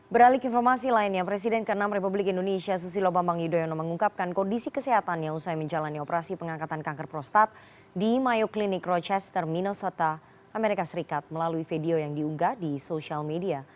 beralik informasi lainnya presiden ke enam republik indonesia susilo bambang yudhoyono mengungkapkan kondisi kesehatannya usai menjalani operasi pengangkatan kanker prostat di mayoclinic roachester minosata amerika serikat melalui video yang diunggah di sosial media